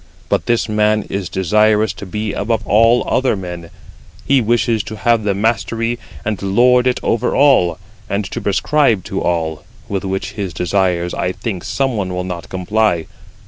But this man is desirous to be above all other men; he wishes to have the mastery, and lord it over all, and to prescribe to all; with which his desires I think some one will not comply.